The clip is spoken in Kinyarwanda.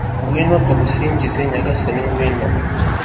ngwino, tugusingize, nyagasani, ngwino